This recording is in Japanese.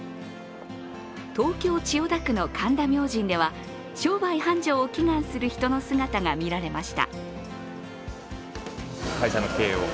東京・千代田区の神田明神では商売繁盛を祈願する人の姿が見られました。